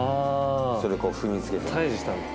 それを踏みつけて。